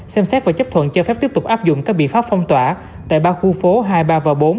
xem xét và chấp thuận cho phép tiếp tục áp dụng các biện pháp phong tỏa tại ba khu phố hai mươi ba và bốn